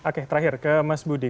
oke terakhir ke mas budi